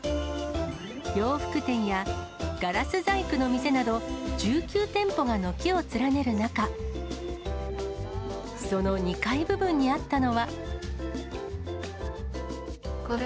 洋服店やガラス細工の店など、１９店舗が軒を連ねる中、その２階部分にあったのは。